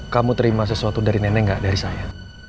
kamu terima sesuatu dari nenek gak dari saya